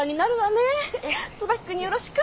椿君によろしく。